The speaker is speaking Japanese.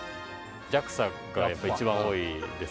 ＪＡＸＡがやっぱり一番多いです